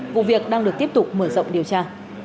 vụ việc đang được tiếp tục mở rộng điều tra